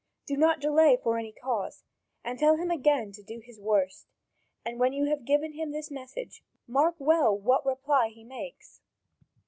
Do not delay for any cause, and tell him again to do his 'worst'. And when you have given him this message, mark well what reply he makes."